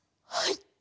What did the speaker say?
はい。